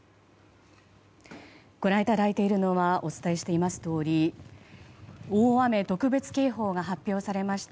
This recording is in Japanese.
ご覧いただいているのはお伝えしていますとおり大雨特別警報が発表されました